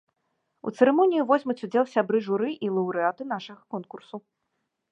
У цырымоніі возьмуць удзел сябры журы і лаўрэаты нашага конкурсу.